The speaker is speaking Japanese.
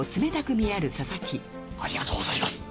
ありがとうございます。